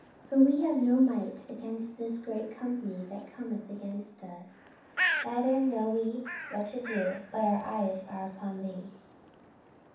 for we have no might against this great company that cometh against us; neither know we what to do: but our eyes are upon thee.